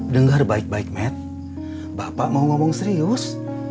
dengar baik baik mat bapak mau ngomong serius